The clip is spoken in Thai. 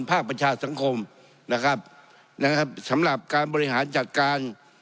ภาคประชาสังคมนะครับนะครับสำหรับการบริหารจัดการ